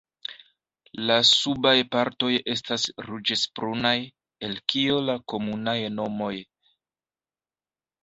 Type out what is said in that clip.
La subaj partoj estas ruĝecbrunaj, el kio la komunaj nomoj.